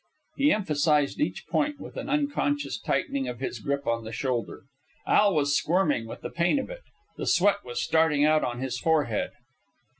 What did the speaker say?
He emphasized each point with an unconscious tightening of his grip on the shoulder. Al was squirming with the pain of it. The sweat was starting out on his forehead.